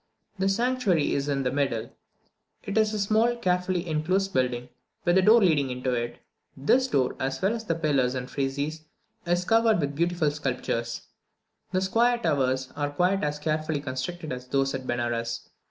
The sanctuary is in the middle; it is a small, carefully enclosed building, with a door leading into it. This door, as well as the pillars and friezes, is covered with beautiful sculptures; the square towers are quite as carefully constructed as those at Benares.